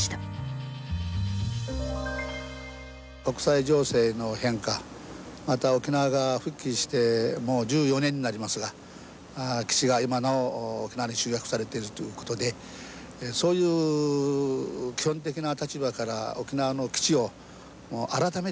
国際情勢の変化また沖縄が復帰してもう１４年になりますが基地が今なお沖縄に集約されているということでそういう基本的な立場から沖縄の基地を改めて見直してくれないかと。